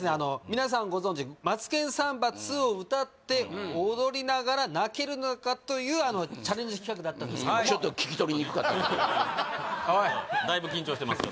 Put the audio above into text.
皆さんご存じ「マツケンサンバⅡ」を歌って踊りながら泣けるのかというあのチャレンジ企画だったんですけどもオイだいぶ緊張してます